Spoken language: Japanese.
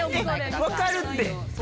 わかるって！